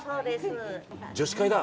女子会だ。